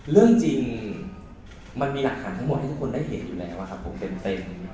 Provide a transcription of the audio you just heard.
เรื่องจริงมันมีหลักฐานทั้งหมดที่ทุกคนได้เห็นอยู่แล้วครับผมเต็ม